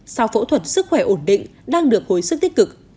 sau phẫu thuật sức khỏe ổn định đang được hồi sức tích cực